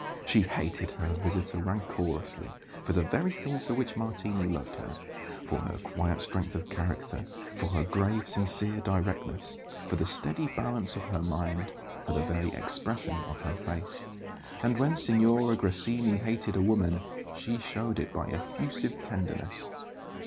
She hated her visitor rancourously, for the very things for which Martini loved her; for her quiet strength of character; for her grave, sincere directness; for the steady balance of her mind; for the very expression of her face. And when Signora Grassini hated a woman, she showed it by effusive tenderness.